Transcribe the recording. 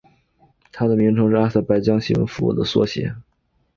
它的名称是阿塞拜疆新闻服务的缩写。